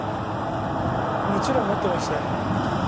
もちろん持ってましたよ。